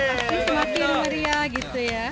tapi semakin meriah gitu ya